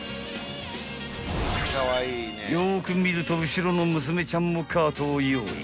［よく見ると後ろの娘ちゃんもカートを用意］